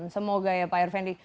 semoga ya pak irvendi